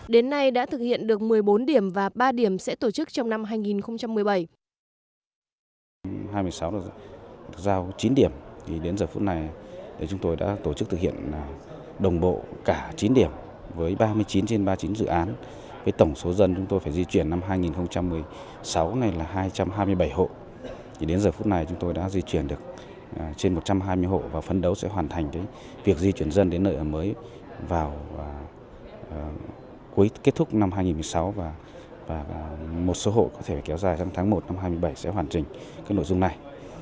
đến nay đã thực hiện được một mươi bốn điểm và ba điểm sẽ tổ chức trong năm hai nghìn một mươi bảy